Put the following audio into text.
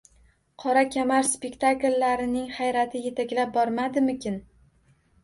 “Qora kamar” spektakllarining hayrati yetaklab bormadimikin?